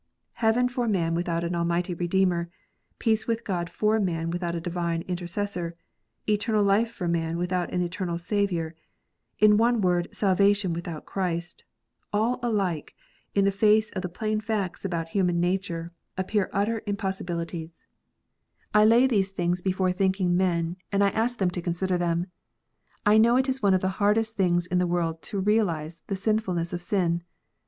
Heaven for man without an almighty Redeemer, peace with God for man without a divine Intercessor, eternal life for man without an eternal Saviour, in one word, salvation with out Christ, all alike, in the face of the plain facts about human nature, appear utter impossibilities. ONLY ONE WAY OF SALVATION. 31 I lay these things before thinking men, and I ask them to consider them. I know it is one of the hardest things in the world to realize the sinfulness of sin.